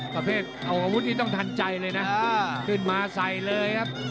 ประเภทเอาอาวุธนี่ต้องทันใจเลยนะขึ้นมาใส่เลยครับ